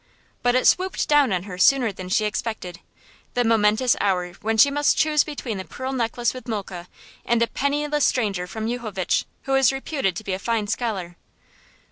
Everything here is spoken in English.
But it swooped down on her sooner than she expected the momentous hour when she must choose between the pearl necklace with Mulke and a penniless stranger from Yuchovitch who was reputed to be a fine scholar.